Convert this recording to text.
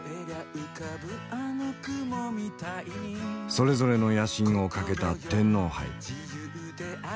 それぞれの野心をかけた天皇杯。